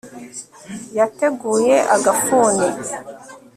Yateguye agafuni